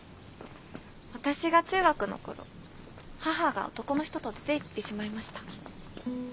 私が中学の頃母が男の人と出ていってしまいました。